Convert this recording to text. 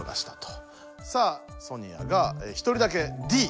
さあソニアが１人だけＤ。